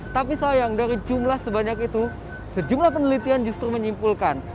tapi sayang dari jumlah sebanyak itu sejumlah penelitian justru menyimpulkan